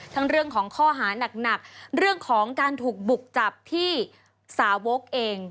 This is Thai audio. เรื่องของข้อหานักเรื่องของการถูกบุกจับที่สาวกเอง